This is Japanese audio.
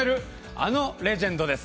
あのレジェンドです。